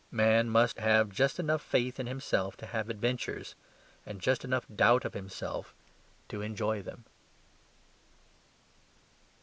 Man must have just enough faith in himself to have adventures, and just enough doubt of himself to enjoy them.